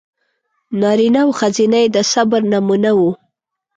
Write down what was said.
نارینه او ښځینه یې د صبر نمونه و.